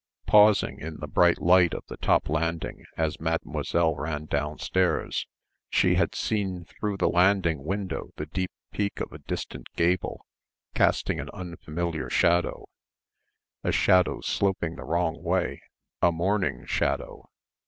Pausing in the bright light of the top landing as Mademoiselle ran downstairs she had seen through the landing window the deep peak of a distant gable casting an unfamiliar shadow a shadow sloping the wrong way, a morning shadow.